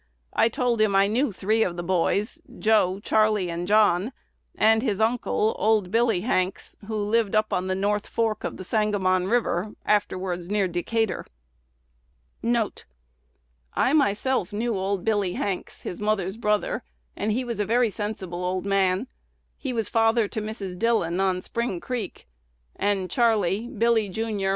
I told him I knew three of the boys, Joe, Charley, and John, and his uncle, old Billy Hanks, who lived up on the North Fork of the Sangamon River, afterwards near Decatur."1 1 "I myself knew old Billy Hanks, his mother's brother, and he was a very sensible old man. He was father to Mrs. Dillon, on Spring Creek; and Charley, Billy, jr.